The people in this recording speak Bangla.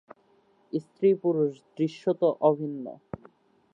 স্ত্রী-পুরুষ দৃশ্যত অভিন্ন।